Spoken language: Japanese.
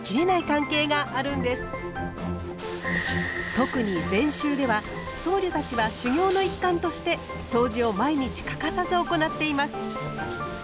特に禅宗では僧侶たちは修行の一環としてそうじを毎日欠かさず行っています。